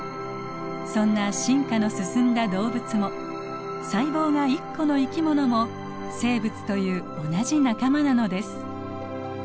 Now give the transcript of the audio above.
そんな進化の進んだ動物も細胞が一個の生き物も生物という同じ仲間なのです。